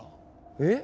えっ？